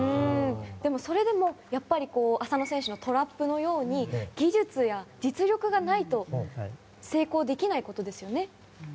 でも、それでもやっぱり浅野選手のトラップのように技術や実力がないと成功できないことですよね。